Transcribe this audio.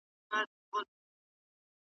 خر هغه دی خو کته یې بدله ده .